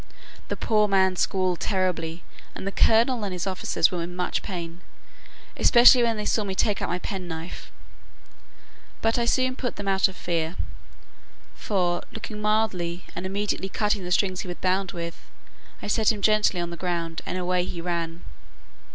The poor man squalled terribly, and the colonel and his officers were in much pain, especially when they saw me take out my penknife: but I soon put them out of fear; for, looking mildly, and immediately cutting the strings he was bound with, I set him gently on the ground, and away he ran.